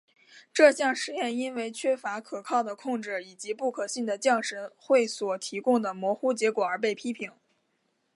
这项实验因为缺乏可靠的控制以及不可信的降神会所提供的模糊结果而被批评。